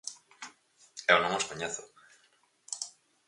Eu non os coñezo.